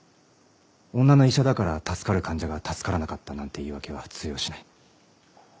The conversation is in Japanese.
女の医者だから助かる患者が助からなかったなんて言い訳は通用しない。